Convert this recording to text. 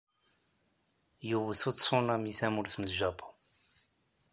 Yewwet utsunami tamurt n Japun.